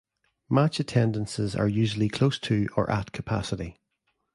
Match attendances are usually close to or at capacity.